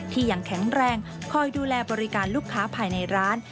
ยังแข็งแรงคอยดูแลบริการลูกค้าภายในร้าน